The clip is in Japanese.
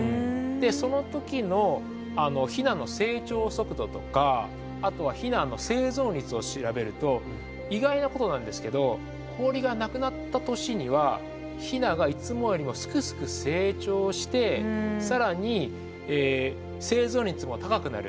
その時のヒナの成長速度とかあとはヒナの生存率を調べると意外なことなんですけど氷がなくなった年にはヒナがいつもよりもすくすく成長して更に生存率も高くなる。